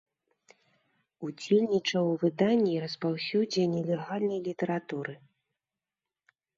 Удзельнічаў у выданні і распаўсюдзе нелегальнай літаратуры.